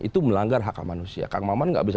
itu melanggar hak manusia kang maman gak bisa